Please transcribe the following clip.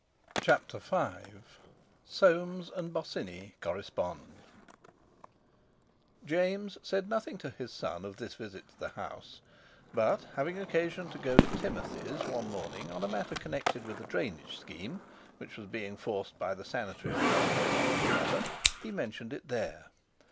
CHAPTER V SOAMES AND BOSINNEY CORRESPOND James said nothing to his son of this visit to the house; but, having occasion to go to Timothy's one morning on a matter connected with a drainage scheme which was being forced by the sanitary authorities on his brother, he mentioned it there.